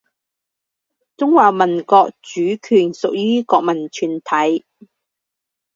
中华民国主权属于国民全体